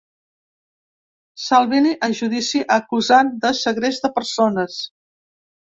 Salvini a judici acusat de segrest de persones.